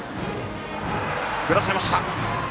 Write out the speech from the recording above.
振らせました。